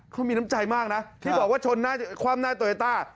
เขามีน้ำใจมากนะที่บอกว่าชนหน้าคว่ำหน้าโตโยต้า